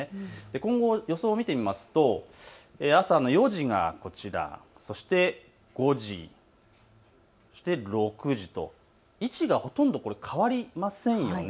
今後の予想を見てみますと朝の４時がこちら、そして５時、そして６時と位置がほとんど変わりませんよね。